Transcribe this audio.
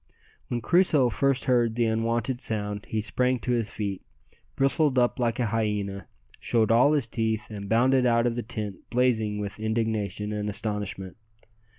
When Crusoe first heard the unwonted sound he sprang to his feet, bristled up like a hyena, showed all his teeth, and bounded out of the tent blazing with indignation and astonishment.